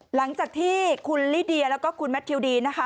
หลังจากที่คุณลิเดียแล้วก็คุณแมททิวดีนะคะ